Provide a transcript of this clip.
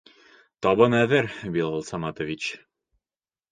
Табын әҙер, Билал Саматович.